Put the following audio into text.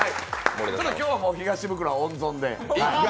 今日は東ブクロは温存で。